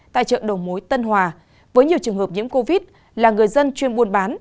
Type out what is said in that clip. tại chợ đầu mối tân hòa với nhiều trường hợp nhiễm covid là người dân chuyên buôn bán